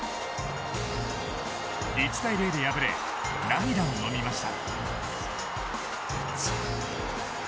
１対０で敗れ、涙をのみました。